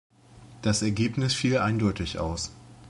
Das Ergebnis fiel eindeutig aus.